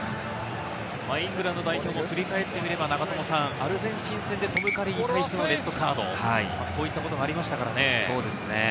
イングランド代表も振り返ってみれば、アルゼンチン戦でトム・カリーに対してレッドカード、こういったことがありましたからね。